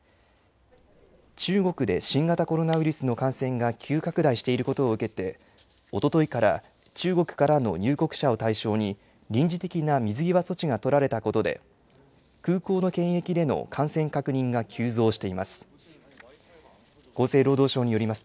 中国で新型コロナウイルスの感染が急拡大していることを受けて、おとといから中国からの入国者を対象に臨時的な水際措置がとられたことで、空港の検疫での感染確認が急増しています。